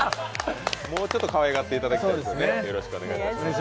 もうちょっとかわいがっていただきたいですね。